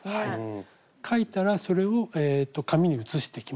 書いたらそれを紙に写していきます。